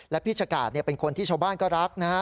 และพี่ชะกาดเป็นคนที่ชาวบ้านก็รักนะฮะ